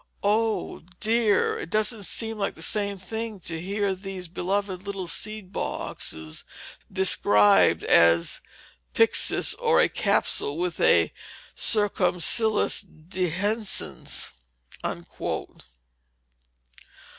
Oh, dear! It doesn't seem like the same thing to hear these beloved little seed boxes described as "a pyxis, or a capsule with a circumscissile dehiscence."